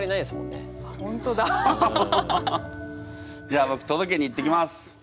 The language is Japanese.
じゃあぼくとどけに行ってきます。